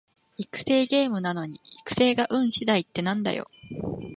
育成ゲームなのに育成が運しだいってなんだよ